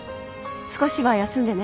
少しは休んでね。